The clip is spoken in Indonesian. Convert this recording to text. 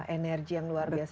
energi yang luar biasa